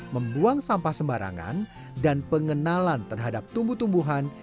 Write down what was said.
membuang sampah sembarangan dan pengenalan terhadap tumbuh tumbuhan